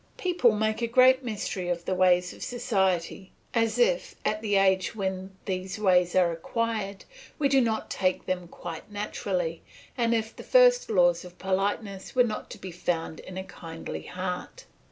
People make a great mystery of the ways of society, as if, at the age when these ways are acquired, we did not take to them quite naturally, and as if the first laws of politeness were not to be found in a kindly heart.